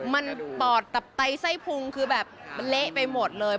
มันปอดตับไตได้ไส่พงคือแบบละไปหมดเลย